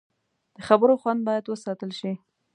د خبرو خوند باید وساتل شي